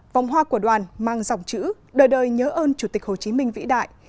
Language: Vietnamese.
vòng hoa của đoàn mang dòng chữ đời đời nhớ ơn chủ tịch hồ chí minh vĩ đại